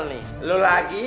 ternyata dukaan gua bener